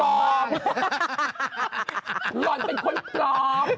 ห่อนเป็นคนปลอม